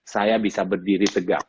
saya bisa berdiri tegak